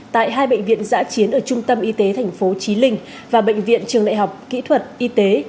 tại hai bệnh viện giã chiến ở trung tâm y tế tp chí linh và bệnh viện trường đại học kỹ thuật y tế